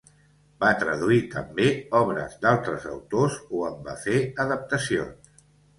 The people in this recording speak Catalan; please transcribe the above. Va traduir també obres d'altres autors o en va fer adaptacions.